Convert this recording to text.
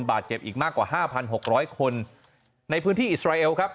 บาดเจ็บอีกมากกว่า๕๖๐๐คนในพื้นที่อิสราเอลครับ